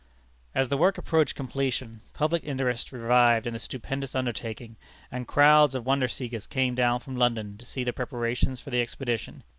As the work approached completion, public interest revived in the stupendous undertaking, and crowds of wonder seekers came down from London to see the preparations for the expedition.